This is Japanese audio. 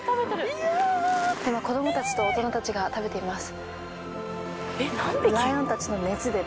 今子どもたちと大人たちが食べています。